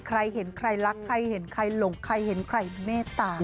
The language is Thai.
ใครเห็นใครรักใครเห็นใครหลงใครเห็นใครเมตตา